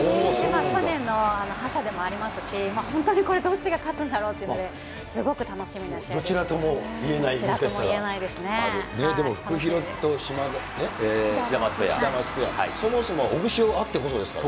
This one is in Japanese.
去年の覇者でもありますし、本当にこれ、どっちが勝つんだろうっていうので、すごく楽しみな試合ですね。